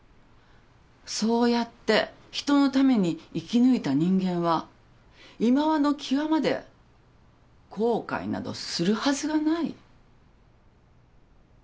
そうやって人のために生き抜いた人間はいまわの際まで後悔などするはずがない。